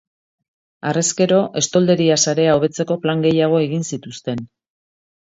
Harrezkero, estolderia-sarea hobetzeko plan gehiago egin zituzten.